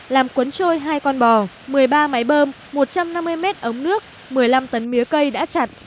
làm cuốn trôi hai con bò một mươi ba máy bơm một trăm năm mươi mét ống nước một mươi năm tấn mía cây đã chặt